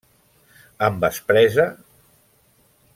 -Amb aspresa?